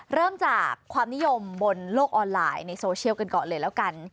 เริ่มจากความนิยมบนโลกออนไลน์ในโซเชียลกันก่อนเลยแล้วกัน